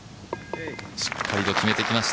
しっかりと決めてきました